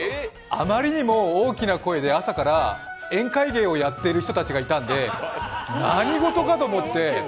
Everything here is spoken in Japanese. あまりにも大きな声で、朝から宴会芸をやっている人たちがいたんで何事かと思って。